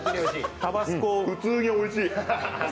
タバスコ、普通においしい。